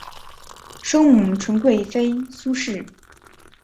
生母纯贵妃苏氏。